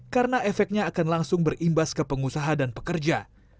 karena efeknya akan langsung berimbas ke pengusaha dan pekerja